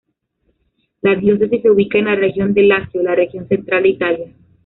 La diócesis se ubica en la región de Lacio, la región central de Italia.